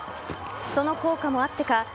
その効果もあってか